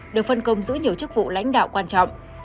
được phân công giữ nhiều chức vụ lãnh đạo quan trọng